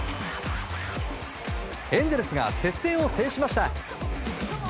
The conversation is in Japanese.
エンゼルスが接戦を制しました。